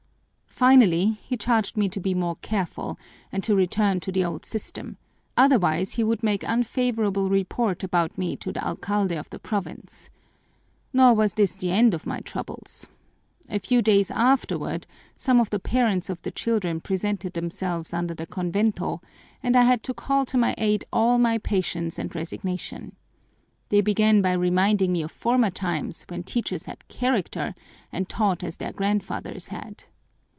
Finally, he charged me to be more careful and to return to the old system, otherwise he would make unfavorable report about me to the alcalde of the province. Nor was this the end of my troubles. A few days afterward some of the parents of the children presented themselves under the convento and I had to call to my aid all my patience and resignation. They began by reminding me of former times when teachers had character and taught as their grandfathers had.